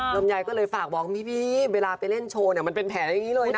ลำไยก็เลยฝากบอกพี่เวลาไปเล่นโชว์เนี่ยมันเป็นแผลอย่างนี้เลยนะ